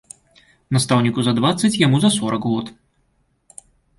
Настаўніку за дваццаць, яму за сорак год.